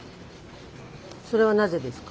それはなぜですか？